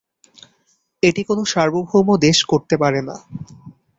এটি কোনো সার্বভৌম দেশ করতে পারে না।